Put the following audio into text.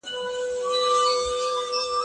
د کلتور پوهه د فردي تعامل د تطبیق لپاره لازمي ده.